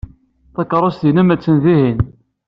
Takeṛṛust-nnes attan dihin.